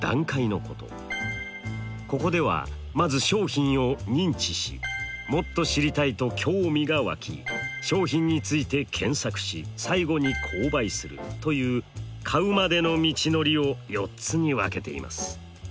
ここではまず商品を認知しもっと知りたいと興味が湧き商品について検索し最後に購買するという買うまでの道のりを４つに分けています。